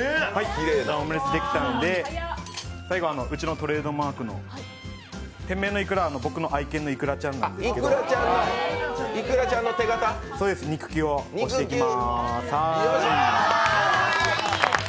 きれいなオムレツできたので、最後うちのトレードマークの、僕の愛犬のいくらちゃんなんですけど肉球を押していきます。